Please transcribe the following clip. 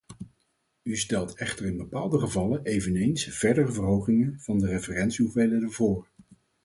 U stelt echter in bepaalde gevallen eveneens verdere verhogingen van de referentiehoeveelheden voor.